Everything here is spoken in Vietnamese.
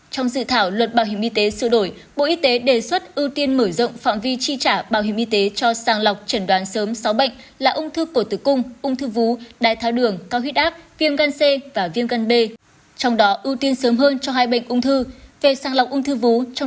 trong dự thảo luật bảo hiểm y tế sửa đổi bộ y tế đề xuất ưu tiên mở rộng phạm vi tri trả bảo hiểm y tế cho sang lọc trần đoán sớm sáu bệnh là ung thư cổ tử cung ung thư vú đai tháo đường cao huyết áp viêm gân c và viêm gân b trong đó ưu tiên sớm hơn cho hai bệnh ung thư